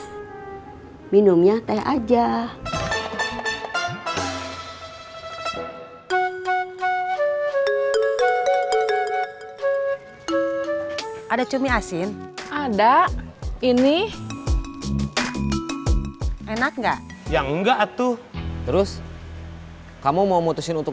sebelumnya teh aja ada cumi asin ada ini enak enggak enggak tuh terus kamu mau mutusin untuk